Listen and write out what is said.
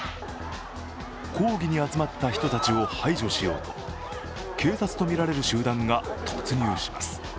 抗議に集まった人たちを排除しようと警察とみられる集団が突入します。